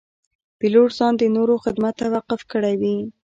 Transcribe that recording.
پیلوټ ځان د نورو خدمت ته وقف کړی وي.